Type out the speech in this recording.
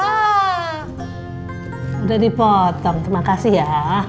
sudah dipotong terima kasih ya